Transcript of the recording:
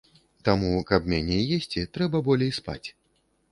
Таму, каб меней есці, трэба болей спаць.